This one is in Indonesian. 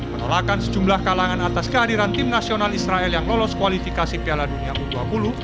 penolakan sejumlah kalangan atas kehadiran tim nasional israel yang lolos kualifikasi piala dunia u dua puluh